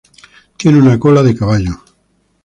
Tiene una cola de caballo.